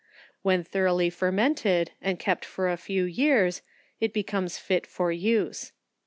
When thoroughly fermented, and kept for a few years, it becomes fit for use.